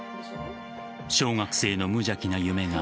小学生の無邪気な夢が